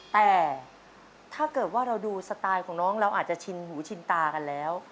แต่ถ้าเกิดว่าเราดูสไตล์ของน้องเราอาจจะชินหูชินตากันแล้ว